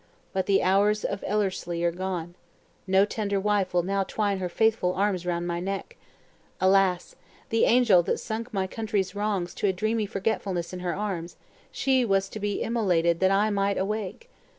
But the hours of Ellerslie are gone! No tender wife will now twine her faithful arms around my neck. Alas, the angel that sunk my country's wrongs to a dreamy forgetfulness in her arms, she was to be immolated that I might awake!